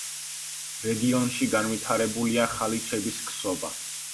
რეგიონში განვითარებულია ხალიჩების ქსოვა.